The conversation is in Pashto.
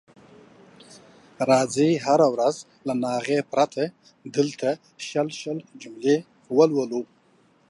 راځئ هره ورځ له ناغې پرته دلته شل شل جملې ولولو.